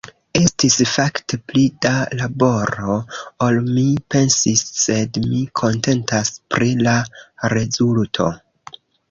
Estis fakte pli da laboro ol mi pensis, sed mi kontentas pri la rezulto!